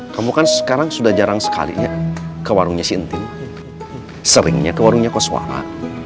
kamu kan sekarang sudah jarang sekalinya ke warungnya si intin seringnya ke warungnya koswara